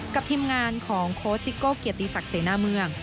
ทีมงานของโค้ชซิโก้เกียรติศักดิ์เสนาเมือง